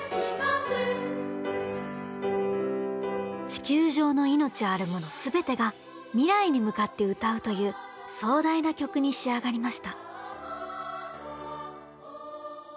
地球上の命あるもの全てが未来に向かって歌うという壮大な曲に仕上がりました。